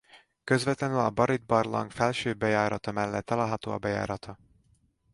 Közvetlenül a Barit-barlang felső bejárata mellett található a bejárata.